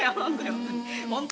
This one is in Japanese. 本当！